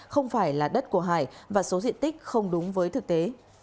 không phải là đất của hải và số diện tích không đúng với thực tế